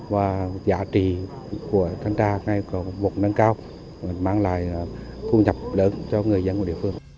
và giá trị của thanh trà có một năng cao mang lại thu nhập lớn cho người dân của địa phương